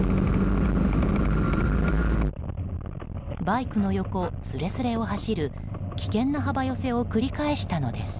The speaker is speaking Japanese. バイクの横すれすれを走る危険な幅寄せを繰り返したのです。